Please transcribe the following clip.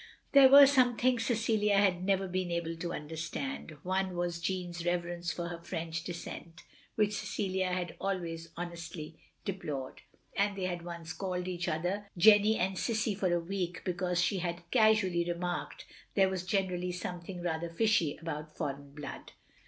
There were some things Cecilia had never been able to understand. One was Jeanne's reverence for her French descent; which Cecilia had always honestly OP GROSVENOR SQUARE i8i deplored; and they had once called each other Jenny and Cissie for a week because she had castmlly remarked there was generally something rather fishy about foreign blood.